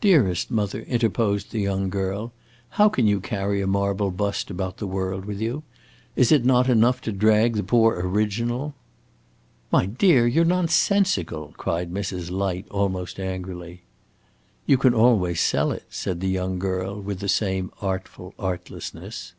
"Dearest mother," interposed the young girl, "how can you carry a marble bust about the world with you? Is it not enough to drag the poor original?" "My dear, you 're nonsensical!" cried Mrs. Light, almost angrily. "You can always sell it," said the young girl, with the same artful artlessness.